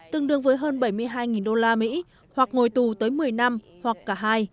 tương đương với hơn bảy mươi hai đô la mỹ hoặc ngồi tù tới một mươi năm hoặc cả hai